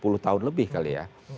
sepuluh tahun lebih kali ya